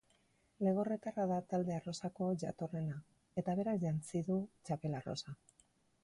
Legorretarra da talde arrosako jatorrena, eta berak jantzi du txapel arrosa.